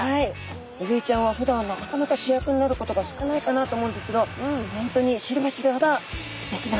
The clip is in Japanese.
ウグイちゃんはふだんなかなか主役になることが少ないかなと思うんですけど本当に知れば知るほどすてきなお魚ですね。